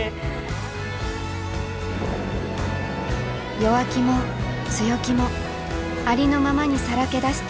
弱気も強気もありのままにさらけ出して。